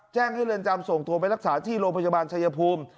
แจ้งให้เรือนจำส่งตัวไปรักษาที่โรงพยาบาลชายภูมิ